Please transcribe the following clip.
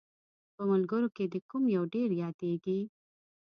په ملګرو کې دې کوم یو ډېر یادیږي؟